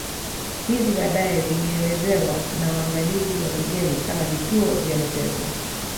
Hizi baadae zilielezewa na waangalizi wa kigeni kama vituo vya mateso